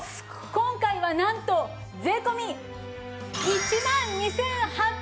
今回はなんと税込１万２８００円です！